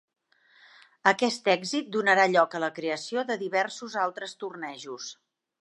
Aquest èxit donarà lloc a la creació de diversos altres tornejos.